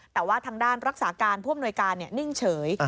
แต่ว่าทางด้านรักษาการผู้อำนวยการนิ่งเฉย